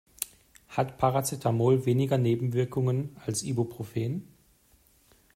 Hat Paracetamol weniger Nebenwirkungen als Ibuprofen?